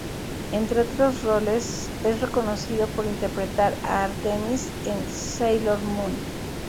Entre otros roles, es reconocido por interpretar a Artemis en Sailor Moon.